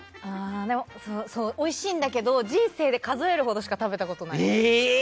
おいしいんだけど人生で数えるほどしか食べたことない。